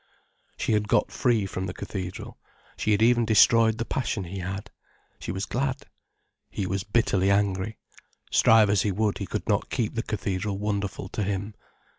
She had got free from the cathedral, she had even destroyed the passion he had. She was glad. He was bitterly angry. Strive as he would, he could not keep the cathedral wonderful to him.